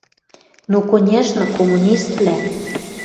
Ну, конечно — коммуниствлӓ!